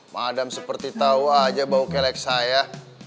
madam seperti tahu aja bau kelek saya